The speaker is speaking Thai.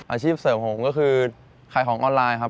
อาชีพเสริมผมก็คือขายของออนไลน์ครับ